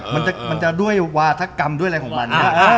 มันจะด้วยวาธกรรมด้วยอะไรของมัน